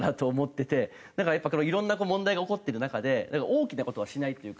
だからやっぱいろんな問題が起こってる中で大きな事はしないっていうか。